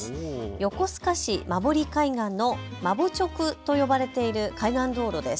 横須賀市馬堀海岸のマボチョクと呼ばれている海岸道路です。